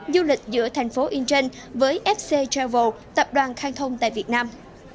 du lịch giữa tp hcm với fc travel tập đoàn khang thông tại việt nam